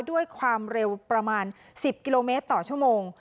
ด้วยความเร็วประมาณ๑๐กิโลเมตรต่อชั่วโมง